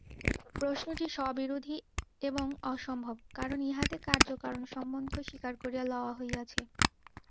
প্রশ্নটি স্ববিরোধী এবং অসম্ভব, কারণ ইহাতে কার্য-কারণ-সম্বন্ধ স্বীকার করিয়া লওয়া হইয়াছে।